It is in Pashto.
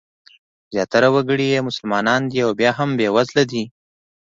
زیاتره وګړي یې مسلمانان دي او بیا هم بېوزله دي.